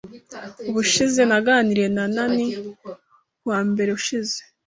Ubushize naganiriye na ni kuwa mbere ushize.